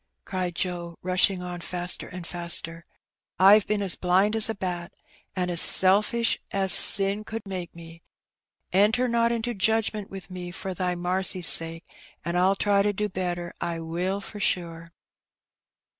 ^' cried Joe, rushing on faster and faster. ^^Pve been as blind as a bat, an' as selfish as sin could make me. Enter not into judgment with me for Thy marcy's sake, an' Fll try to do better — I will, for sure.''